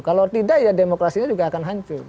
kalau tidak ya demokrasinya juga akan hancur